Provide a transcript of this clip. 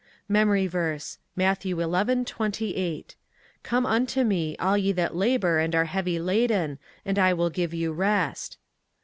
MEMORY VERSE, Matthew 11: 28 "Come unto me, all ye that labor and are heavy laden, and I will give you rest."